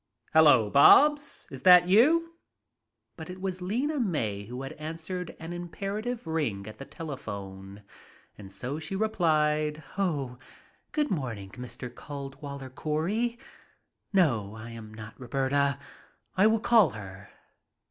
"Hello, Bobs, is that you?" But it was Lena May who had answered an imperative ring at the telephone, and so she replied, "Oh, good morning, Mr. Caldwaller Cory. No, I am not Roberta. I will call her."